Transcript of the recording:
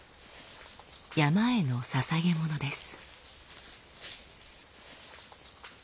山への捧げ物です。